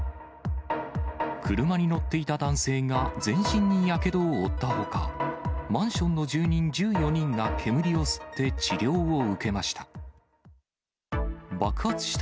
車に乗っていた男性が全身にやけどを負ったほか、マンションの住人１４人が煙を吸って治療を受けました。